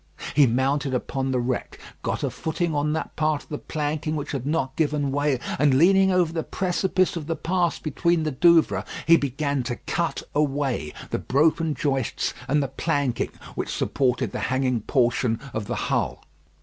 He mounted upon the wreck, got a footing on that part of the planking which had not given way, and leaning over the precipice of the pass between the Douvres, he began to cut away the broken joists and the planking which supported the hanging portion of the hull.